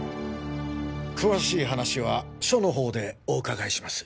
詳しい話は署の方でお伺いします。